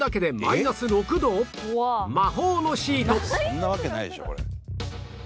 そんなわけないでしょこれ。